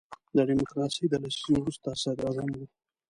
د ډیموکراسۍ د لسیزې وروستی صدر اعظم وو.